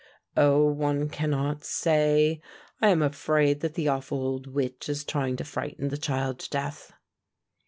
"Oh, one cannot say; I am afraid that the awful old witch is trying to frighten the child to death."